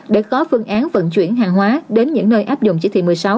để có phương án vận chuyển hàng hóa đến những nơi áp dụng chỉ thị một mươi sáu